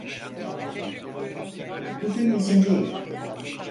Bugün izinliyim.